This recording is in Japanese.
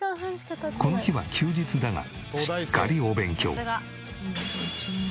この日は休日だがしっかりお勉強！